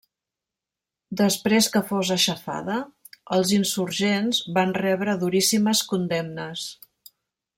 Després que fos aixafada, els insurgents van rebre duríssimes condemnes.